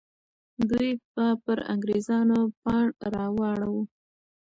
دوی به پر انګریزانو پاڼ را اړوه.